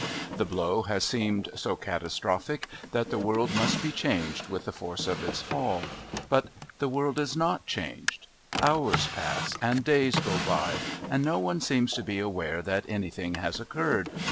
The blow has seemed so catastrophic that the world must be changed with the force of its fall but the world is not changed; hours pass and days go by, and no one seems to be aware that anything has occurred...